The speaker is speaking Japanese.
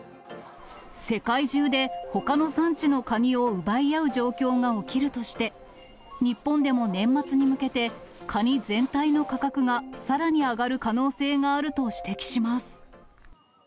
世界中でほかの産地のカニを奪い合う状況が起きるとして、日本でも年末に向けて、カニ全体の価格がさらに上がる可能性があると指摘します。